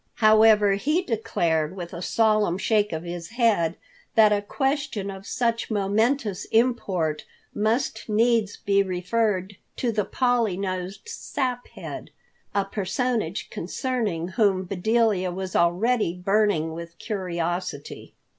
However, he declared with a solemn shake of his head that a question of such momentous import must needs be referred to the Polly nosed Saphead, a personage concerning whom Bedelia was already burning with curiosity.